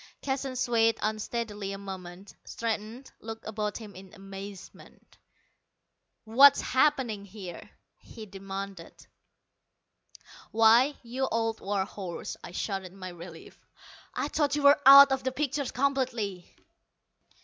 Keston swayed unsteadily a moment, straightened, looked about him in amazement. "What's happening here?" he demanded. "Why, you old war horse," I shouted in my relief, "I thought you were out of the picture completely!"